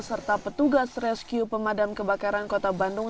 serta petugas rescue pemadam kebakaran kota bandung